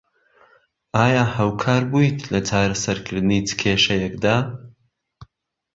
ئایا هاوکار بوویت لە چارەسەر کردنی چ کێشەیەکدا؟